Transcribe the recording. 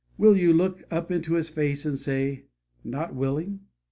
Will you look up into His face and say, 'Not willing'?